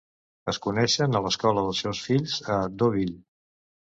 Es coneixen a l'escola dels seus fills a Deauville.